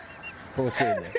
「面白いね」